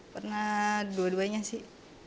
pernah dua duanya sih